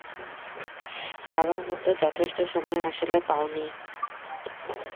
ভাবার মতো যথেষ্ট সময় আসলে পাওনি।